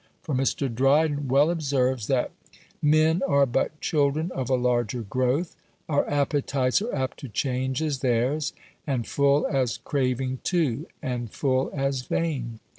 For Mr. Dryden well observes, that "Men are but children of a larger growth; Our appetites are apt to change as theirs, And full as craving too, and full as vain."